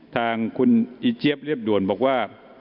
ทางคุณอีเจี๊ยบเรียบด่วนบอกว่า